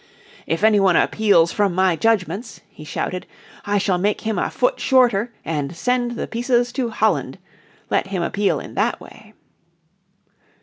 "If any one appeals from my judgments," he shouted, "I shall make him a foot shorter and send the pieces to Holland. Let him appeal in that way."